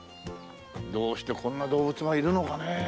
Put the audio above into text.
どうしてこんな動物がいるのかね。